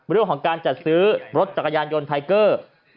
เรื่องของการจัดซื้อรถจักรยานยนต์ไทเกอร์